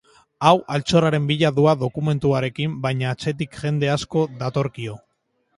Hau, altxorraren bila doa dokumentuarekin, baina atzetik jende asko datorkio.